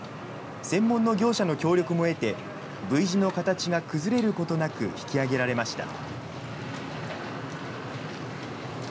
専門の業者の協力も得て、Ｖ字の形が崩れることなく、引き揚げられました。